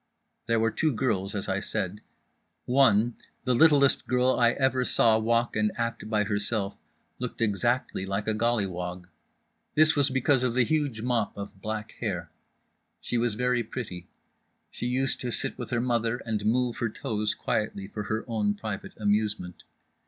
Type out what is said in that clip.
There were two girls, as I said. One, the littlest girl I ever saw walk and act by herself, looked exactly like a gollywog. This was because of the huge mop of black hair. She was very pretty. She used to sit with her mother and move her toes quietly for her own private amusement.